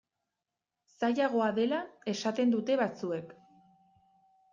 Zailagoa dela esaten dute batzuek.